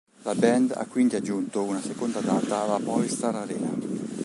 La band ha quindi aggiunto una seconda data alla Movistar Arena.